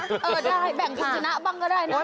ถ้าให้แบ่งคุณสุนัขบ้างก็ได้นะ